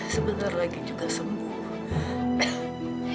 sebentar lagi juga sembuh